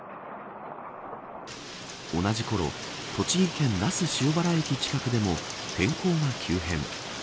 同じころ栃木県那須塩原駅近くでも天候が急変。